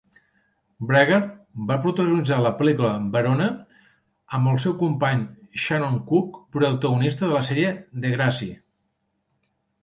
Bregar va protagonitzar la pel·lícula "Verona" amb el seu company Shannon Kook protagonista en la sèrie Degrassi.